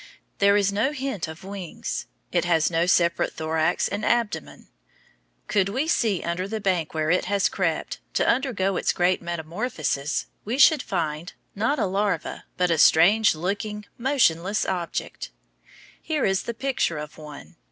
There is no hint of wings. It has no separate thorax and abdomen. Could we see under the bank where it has crept, to undergo its great metamorphosis, we should find, not a larva, but a strange looking, motionless object. Here is the picture of one.